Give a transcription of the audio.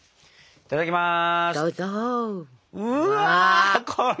いただきます。